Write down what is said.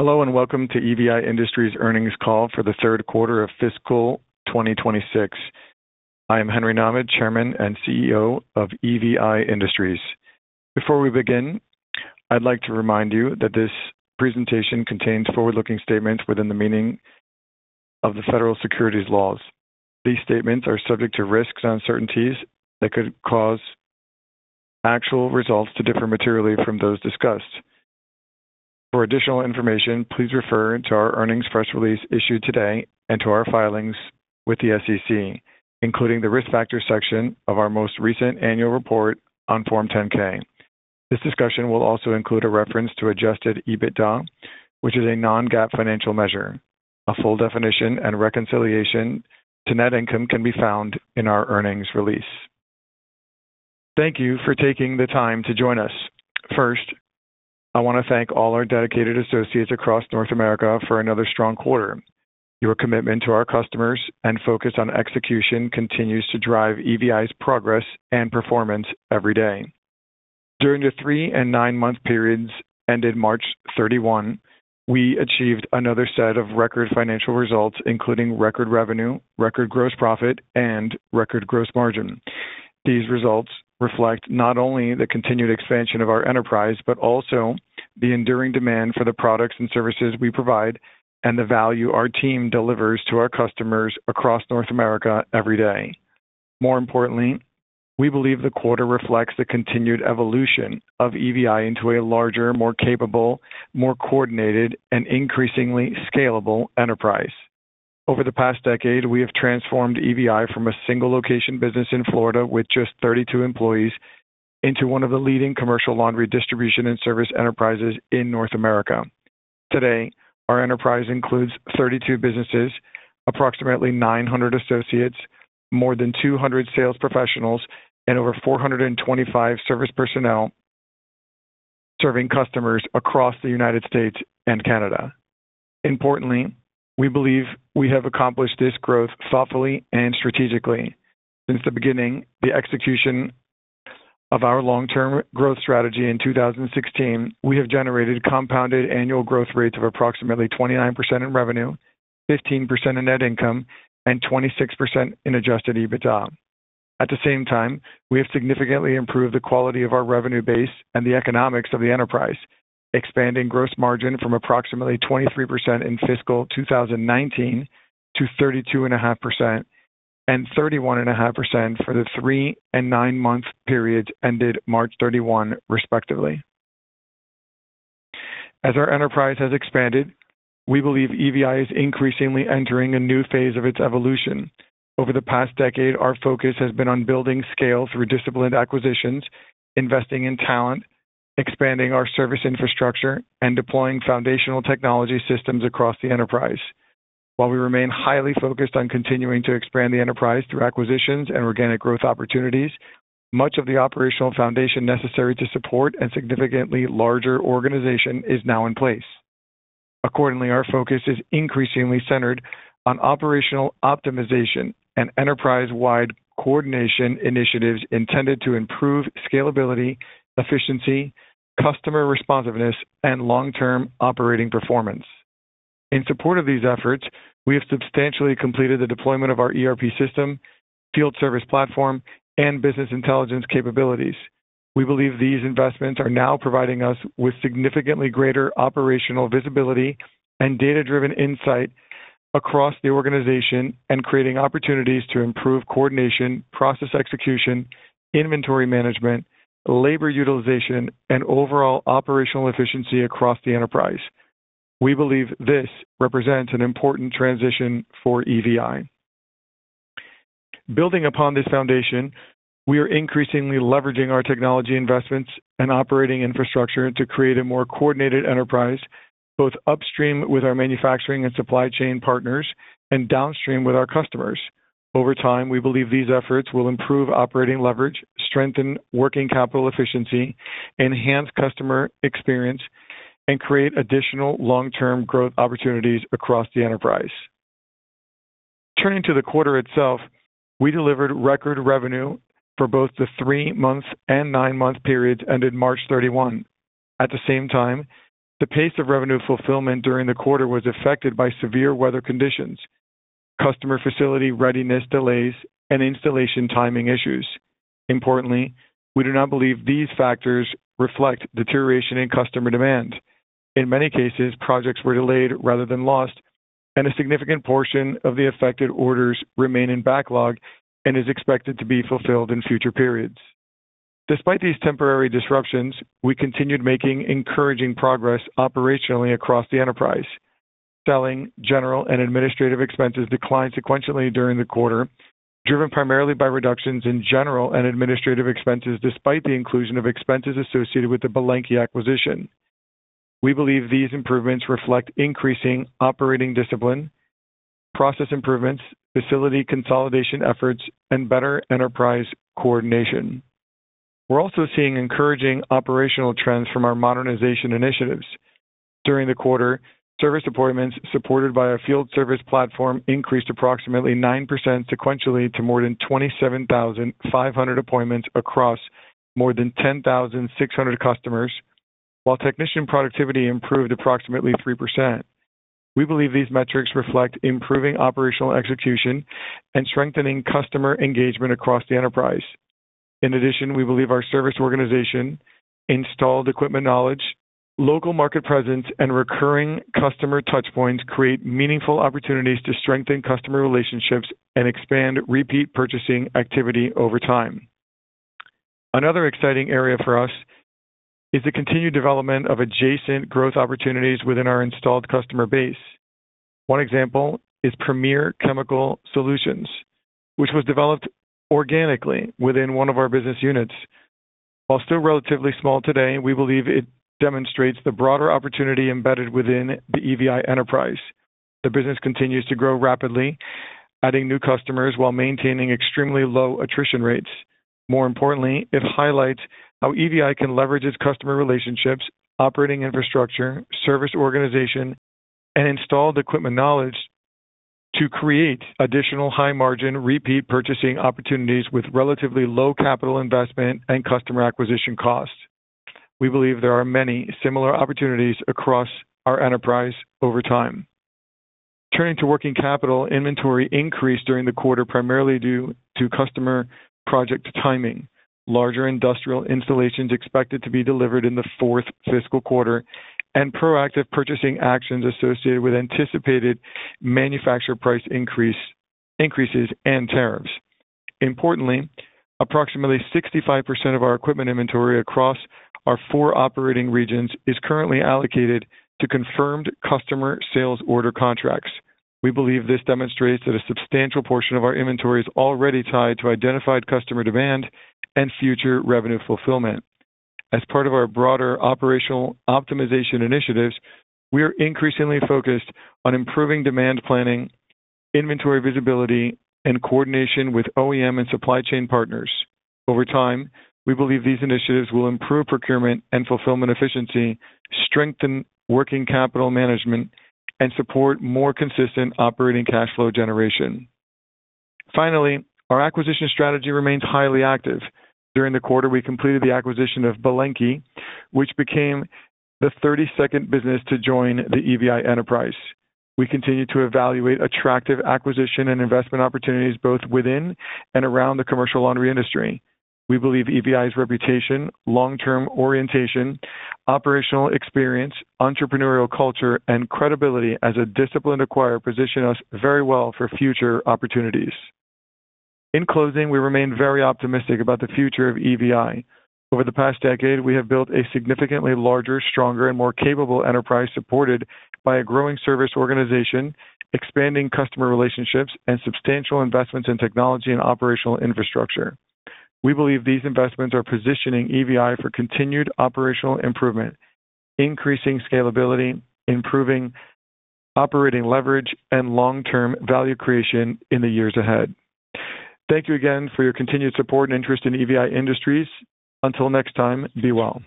Hello, Welcome to EVI Industries earnings call for the third quarter of fiscal 2026. I am Henry M. Nahmad, Chairman and Chief Executive Officer of EVI Industries. Before we begin, I'd like to remind you that this presentation contains forward-looking statements within the meaning of the federal securities laws. These statements are subject to risks and uncertainties that could cause actual results to differ materially from those discussed. For additional information, please refer to our earnings press release issued today and to our filings with the SEC, including the Risk Factors section of our most recent annual report on Form 10-K. This discussion will also include a reference to adjusted EBITDA, which is a non-GAAP financial measure. A full definition and reconciliation to net income can be found in our earnings release. Thank you for taking the time to join us. First, I wanna thank all our dedicated associates across North America for another strong quarter. Your commitment to our customers and focus on execution continues to drive EVI's progress and performance every day. During the three and nine month periods ended March 31, we achieved another set of record financial results, including record revenue, record gross profit, and record gross margin. These results reflect not only the continued expansion of our enterprise, but also the enduring demand for the products and services we provide and the value our team delivers to our customers across North America every day. More importantly, we believe the quarter reflects the continued evolution of EVI into a larger, more capable, more coordinated, and increasingly scalable enterprise. Over the past decade, we have transformed EVI from a single location business in Florida with just 32 employees into one of the leading commercial laundry distribution and service enterprises in North America. Today, our enterprise includes 32 businesses, approximately 900 associates, more than 200 sales professionals, and over 425 service personnel serving customers across the United States and Canada. Importantly, we believe we have accomplished this growth thoughtfully and strategically. Since the beginning, the execution of our long-term growth strategy in 2016, we have generated compounded annual growth rates of approximately 29% in revenue, 15% in net income, and 26% in adjusted EBITDA. At the same time, we have significantly improved the quality of our revenue base and the economics of the enterprise, expanding gross margin from approximately 23% in fiscal 2019 to 32.5% and 31.5% for the three and nine month periods ended March 31, respectively. As our enterprise has expanded, we believe EVI is increasingly entering a new phase of its evolution. Over the past decade, our focus has been on building scale through disciplined acquisitions, investing in talent, expanding our service infrastructure, and deploying foundational technology systems across the enterprise. While we remain highly focused on continuing to expand the enterprise through acquisitions and organic growth opportunities, much of the operational foundation necessary to support a significantly larger organization is now in place. Accordingly, our focus is increasingly centered on operational optimization and enterprise-wide coordination initiatives intended to improve scalability, efficiency, customer responsiveness, and long-term operating performance. In support of these efforts, we have substantially completed the deployment of our ERP system, field service platform, and business intelligence capabilities. We believe these investments are now providing us with significantly greater operational visibility and data-driven insight across the organization and creating opportunities to improve coordination, process execution, inventory management, labor utilization, and overall operational efficiency across the enterprise. We believe this represents an important transition for EVI. Building upon this foundation, we are increasingly leveraging our technology investments and operating infrastructure to create a more coordinated enterprise, both upstream with our manufacturing and supply chain partners and downstream with our customers. Over time, we believe these efforts will improve operating leverage, strengthen working capital efficiency, enhance customer experience, and create additional long-term growth opportunities across the enterprise. Turning to the quarter itself, we delivered record revenue for both the three months and nine month periods ended March 31. At the same time, the pace of revenue fulfillment during the quarter was affected by severe weather conditions, customer facility readiness delays, and installation timing issues. Importantly, we do not believe these factors reflect deterioration in customer demand. In many cases, projects were delayed rather than lost, and a significant portion of the affected orders remain in backlog and is expected to be fulfilled in future periods. Despite these temporary disruptions, we continued making encouraging progress operationally across the enterprise. Selling, general, and administrative expenses declined sequentially during the quarter, driven primarily by reductions in general and administrative expenses, despite the inclusion of expenses associated with the Belenky acquisition. We believe these improvements reflect increasing operating discipline, process improvements, facility consolidation efforts, and better enterprise coordination. We're also seeing encouraging operational trends from our modernization initiatives. During the quarter-service appointments supported by our field service platform increased approximately 9% sequentially to more than 27,500 appointments across more than 10,600 customers, while technician productivity improved approximately 3%. We believe these metrics reflect improving operational execution and strengthening customer engagement across the enterprise. In addition, we believe our service organization, installed equipment knowledge, local market presence, and recurring customer touch points create meaningful opportunities to strengthen customer relationships and expand repeat purchasing activity over time. Another exciting area for us is the continued development of adjacent growth opportunities within our installed customer base. One example is Premier Chemical Solutions, which was developed organically within one of our business units. While still relatively small today, we believe it demonstrates the broader opportunity embedded within the EVI enterprise. The business continues to grow rapidly, adding new customers while maintaining extremely low attrition rates. More importantly, it highlights how EVI can leverage its customer relationships, operating infrastructure, service organization, and installed equipment knowledge to create additional high-margin, repeat purchasing opportunities with relatively low capital investment and customer acquisition costs. We believe there are many similar opportunities across our enterprise over time. Turning to working capital, inventory increased during the quarter primarily due to customer project timing. Larger industrial installations expected to be delivered in the fourth fiscal quarter and proactive purchasing actions associated with anticipated manufacturer price increases and tariffs. Importantly, approximately 65% of our equipment inventory across our four operating regions is currently allocated to confirmed customer sales order contracts. We believe this demonstrates that a substantial portion of our inventory is already tied to identified customer demand and future revenue fulfillment. As part of our broader operational optimization initiatives, we are increasingly focused on improving demand planning, inventory visibility, and coordination with OEM and supply chain partners. Over time, we believe these initiatives will improve procurement and fulfillment efficiency, strengthen working capital management, and support more consistent operating cash flow generation. Our acquisition strategy remains highly active. During the quarter, we completed the acquisition of Belenky, which became the 32nd business to join the EVI enterprise. We continue to evaluate attractive acquisition and investment opportunities both within and around the commercial laundry industry. We believe EVI's reputation, long-term orientation, operational experience, entrepreneurial culture, and credibility as a disciplined acquirer position us very well for future opportunities. In closing, we remain very optimistic about the future of EVI. Over the past decade, we have built a significantly larger, stronger, and more capable enterprise supported by a growing service organization, expanding customer relationships, and substantial investments in technology and operational infrastructure. We believe these investments are positioning EVI for continued operational improvement, increasing scalability, improving operating leverage, and long-term value creation in the years ahead. Thank you again for your continued support and interest in EVI Industries. Until next time, be well.